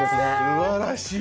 すばらしい！